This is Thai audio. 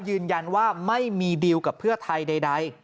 ยืนยันว่าไม่มีดีลกับเพื่อไทยใด